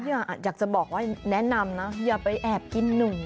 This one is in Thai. อยากจะบอกว่าแนะนำนะอย่าไปแอบกินหนู